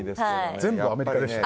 全部、アメリカでした。